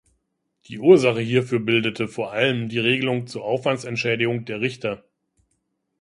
Die Ursache hierfür bildete vor allem die Regelung zur Aufwandsentschädigung der Richter.